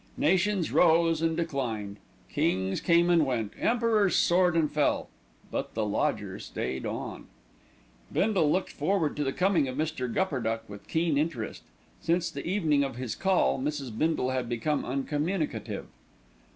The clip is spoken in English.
Nations rose and declined, kings came and went, emperors soared and fell; but the lodger stayed on. Bindle looked forward to the coming of Mr. Gupperduck with keen interest. Since the evening of his call, Mrs. Bindle had become uncommunicative.